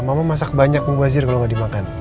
mama masak banyak mubazir kalau nggak dimakan